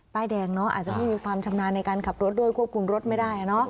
แดงเนอะอาจจะไม่มีความชำนาญในการขับรถด้วยควบคุมรถไม่ได้